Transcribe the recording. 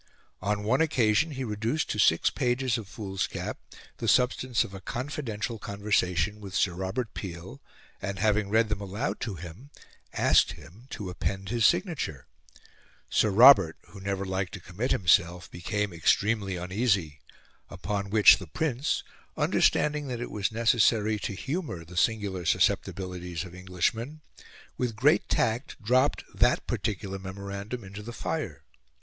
On one occasion he reduced to six pages of foolscap the substance of a confidential conversation with Sir Robert Peel, and, having read them aloud to him, asked him to append his signature; Sir Robert, who never liked to commit himself, became extremely uneasy; upon which the Prince, understanding that it was necessary to humour the singular susceptibilities of Englishmen, with great tact dropped that particular memorandum into the fire.